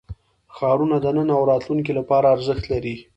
ښارونه د نن او راتلونکي لپاره ارزښت لري.